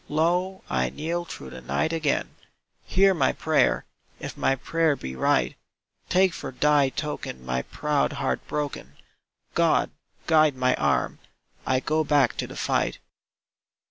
Low I kneel through the night again, Hear my prayer, if my prayer be right! Take for Thy token my proud heart broken. God, guide my arm ! I go back to the fight.